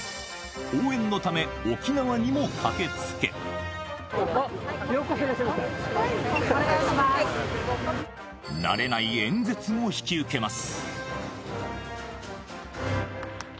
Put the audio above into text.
応援のため沖縄にも駆けつけ慣れない演説も引き受けます。